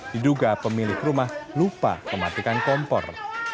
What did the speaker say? diduga pemilik rumah lupa mematikan kompor